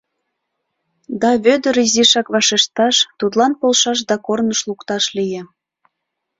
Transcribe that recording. Да Вӧдыр изишак вашешташ, тудлан полшаш да корныш лукташ лие...